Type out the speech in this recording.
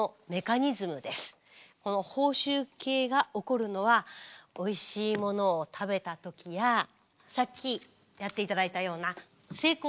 報酬系が起こるのはおいしいものを食べた時やさっきやって頂いたような成功体験。